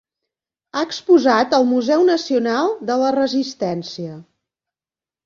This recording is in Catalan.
Ha exposat al Museu Nacional de la Resistència.